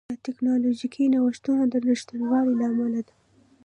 دا د ټکنالوژیکي نوښتونو د نشتوالي له امله ده